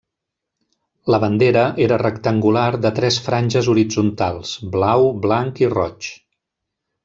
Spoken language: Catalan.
La bandera era rectangular de tres franges horitzontals, blau, blanc i roig.